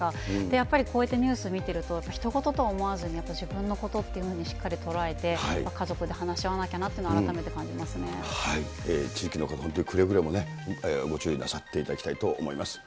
やっぱりこうやってニュース見ていると、ひと事とは思わずに、自分のことというふうにしっかり捉えて、家族で話し合わなきゃな地域の方、本当にくれぐれもね、ご注意なさっていただきたいと思います。